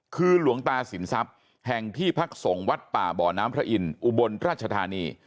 คือหลวงตาสินทรัพย์แห่งที่พักส่งวัดป่าบ่อน้ำพระอินอุบลราชธานี